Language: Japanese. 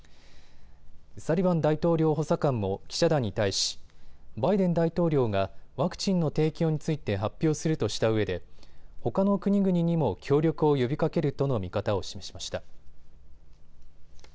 サリバン大統領補佐官も記者団に対しバイデン大統領がワクチンの提供について発表するとしたうえで、ほかの国々にも協力を呼びかけるとの見方を示しました。